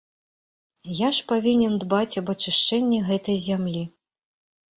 Я ж павінен дбаць аб ачышчэнні гэтай зямлі.